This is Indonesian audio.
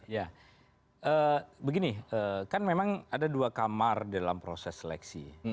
ya begini kan memang ada dua kamar dalam proses seleksi